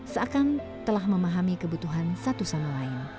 seakan telah memahami kebutuhan satu sama lain